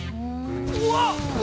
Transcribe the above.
うわっ！